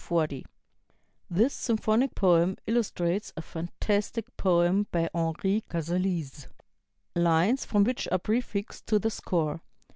40 This symphonic poem illustrates a fantastic poem by Henri Cazalis, lines from which are prefixed to the score.